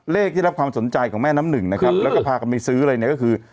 ที่รับความสนใจของแม่น้ำหนึ่งนะครับแล้วก็พากันไปซื้อเลยเนี่ยก็คือ